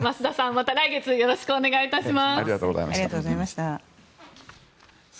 また来月よろしくお願いいたします。